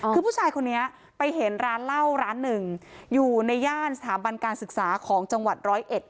คือผู้ชายคนนี้ไปเห็นร้านเหล้าร้านหนึ่งอยู่ในย่านสถาบันการศึกษาของจังหวัดร้อยเอ็ด